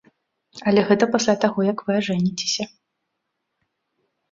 Але гэта пасля таго, як вы ажэніцеся.